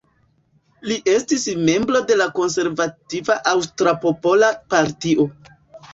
Li estis membro de la konservativa Aŭstra Popola Partio.